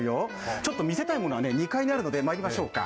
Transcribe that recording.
ちょっと見せたいものは２階にあるので参りましょうか。